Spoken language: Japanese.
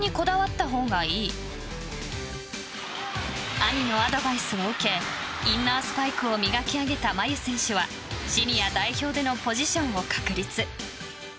兄のアドバイスを受けインナースパイクを磨き上げた真佑選手はシニア代表でのポジションを確立。